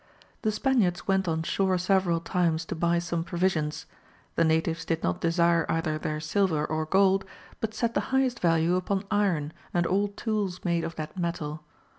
The Spaniards went on shore several times to buy some provisions; the natives did not desire either their silver or gold, but set the highest value upon iron and all tools made of that metal.